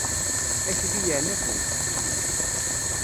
Akli yeɛna-ten.